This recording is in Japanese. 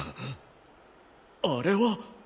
あれは。